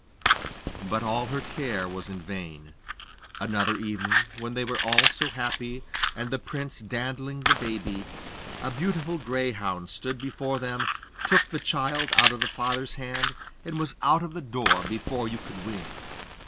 But all her care was in vain. Another evening, when they were all so happy, and the prince dandling the baby, a beautiful greyhound stood before them, took the child out of the father's hand, and was out of the door before you could wink.